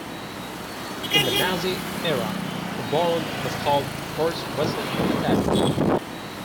In the Nazi era, the borough was called "Horst-Wessel-Stadt".